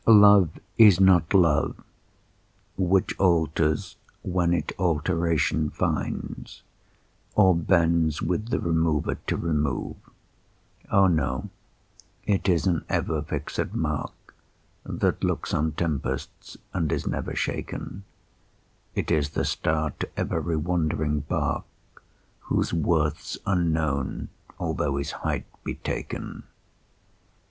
Love is not love Which alters when it alteration finds, Or bends with the remover to remove: O no! it is an ever fixed mark That looks on tempests and is never shaken; It is the star to every wandering bark, Whose worth's unknown, although his height be taken.